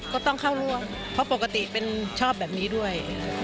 ก็ต้องเข้าร่วมเพราะปกติเป็นชอบแบบนี้ด้วย